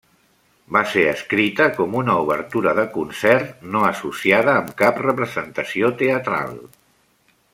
Va ser escrita com una obertura de concert, no associada amb cap representació teatral.